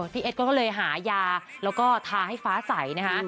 พี่เอ็ดก็เลยหายาแล้วก็ทาให้ฟ้าใสนะคะ